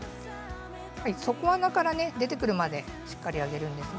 底穴から出てくるまでしっかりあげるんですが。